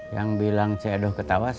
yang bilang cedoh ketawa siapa